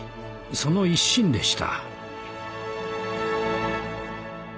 その一心でした。